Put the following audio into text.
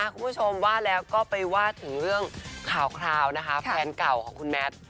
คุณผู้ชมว่าแล้วก็ไปว่าถึงเรื่องข่าวคราวนะคะแฟนเก่าของคุณแมท